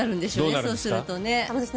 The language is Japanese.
そうするとね。